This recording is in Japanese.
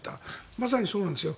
まさにそうなんですよ。